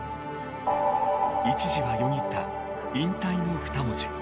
［一時はよぎった引退の２文字］